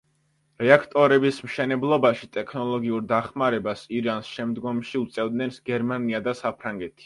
რეაქტორების მშენებლობაში ტექნოლოგიურ დახმარებას ირანს შემდგომში უწევდნენ გერმანია და საფრანგეთი.